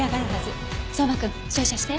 相馬くん照射して。